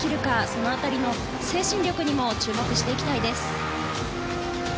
その辺りの精神力にも注目していきたいです。